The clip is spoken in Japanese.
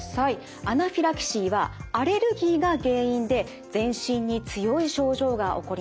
アナフィラキシーはアレルギーが原因で全身に強い症状が起こります。